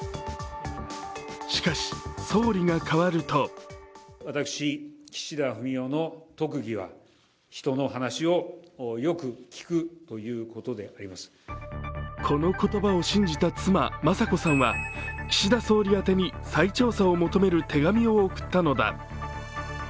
しかし、総理が変わるとこの言葉を信じた妻・雅子さんは岸田総理宛てに再調査を求める手紙を送ったのだ。